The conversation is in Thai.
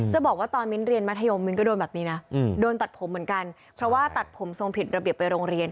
จะบอกว่าตอนมิ้นเรียนมัธยมมิ้นก็โดนแบบนี้นะโดนตัดผมเหมือนกันเพราะว่าตัดผมทรงผิดระเบียบไปโรงเรียน